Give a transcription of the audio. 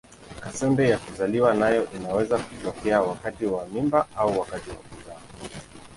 Kaswende ya kuzaliwa nayo inaweza kutokea wakati wa mimba au wa kuzaa.